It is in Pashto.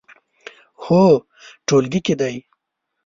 هو، ټولګي کې دی